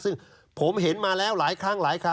ซึ่งผมเห็นมาแล้วหลายครั้งหลายคราว